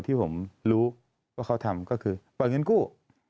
ที่ผมรู้ว่าเขาทำก็คือปล่อยเงินกู้